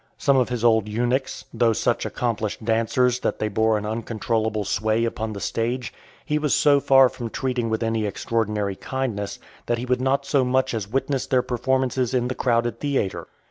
Some of his old eunuchs, though such accomplished dancers, that they bore an uncontrollable sway upon the stage, he was so far from treating with any extraordinary kindness, that he would not so much as witness their performances in the crowded theatre.